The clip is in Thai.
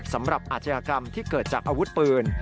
อาชญากรรมที่เกิดจากอาวุธปืน